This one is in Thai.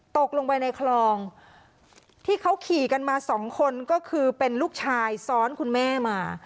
ตกลงไปในคลองที่เขาขี่กันมาสองคนก็คือเป็นลูกชายซ้อนคุณแม่มา